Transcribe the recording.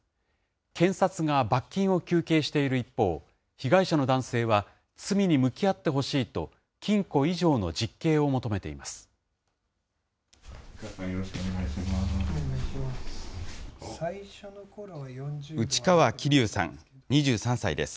検察が罰金を求刑している一方、被害者の男性は罪に向き合ってほしいと、禁錮以上の実刑を求めています。